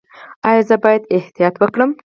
ایا زه باید احتیاط وکړم؟